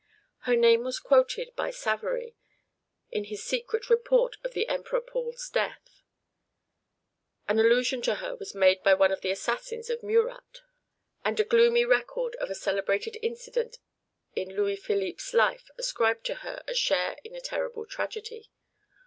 Her name was quoted by Savary in his secret report of the Emperor Paul's death; an allusion to her was made by one of the assassins of Murat; and a gloomy record of a celebrated incident in Louis Philippe's life ascribed to her a share in a terrible tragedy.